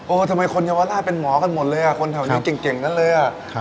ทำไมคนเยาวราชเป็นหมอกันหมดเลยอ่ะคนแถวนี้เก่งกันเลยอ่ะ